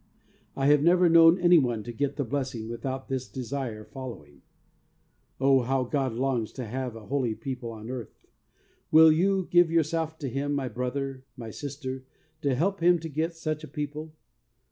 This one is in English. I have never known any one to get the blessing without this desire following. Oh, how God longs to have a holy people on earth ! Will you give yourself to Him, my brother, my sister, to help Him to get such a people?